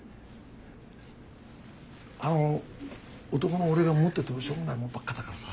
あの男の俺が持っててもしょうがないもんばっかだからさ。